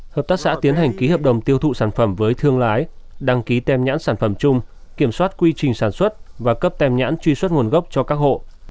hợp tác xã tiến hành ký hợp đồng tiêu thụ sản phẩm với thương lái đăng ký tem nhãn sản phẩm chung kiểm soát quy trình sản xuất và cấp tem nhãn truy xuất nguồn gốc cho các hộ